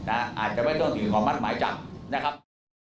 อาจจะไม่ต้องถึงขอมัดหมายจับนะครับ